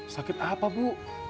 sakit apa bu